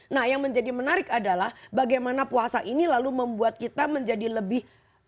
nah yang menjadi menarik adalah bagaimana puasa ini lalu membuat kita menjadi lebih